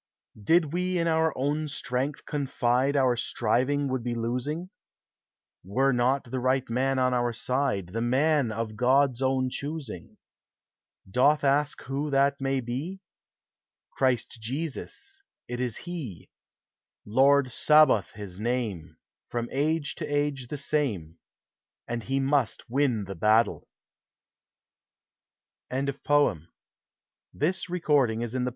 Did we in our own strength confide, Our striving would be losing; Were not the right man on our side, The man of God's own choosing. Dost ask who that may be? Christ Jesus, it is he, Lord Sabaoth his name, From age to age the same, And he must win the battle. From the German of MARTIN LUTHER.